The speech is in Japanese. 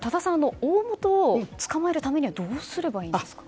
おおもとを捕まえるためにはどうすればいいんですか。